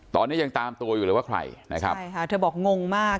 ตอนนี้ยังตามตัวอยู่เลยว่าใครนะครับใช่ค่ะเธอบอกงงมาก